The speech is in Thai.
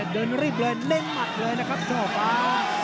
เดินรีบเลยเน้นหมัดเลยนะครับช่อฟ้า